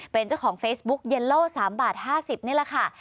เป็นเจ้าของเฟซบุ๊กเย็นโล่๓บาท๕๐นี่แหละค่ะ